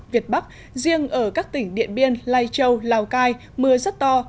việt bắc riêng ở các tỉnh điện biên lai châu lào cai mưa rất to